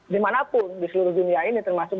dimanapun di seluruh dunia ini termasuk